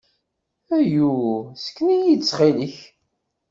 Ayu! Sken-iyi-d, ttxil-k!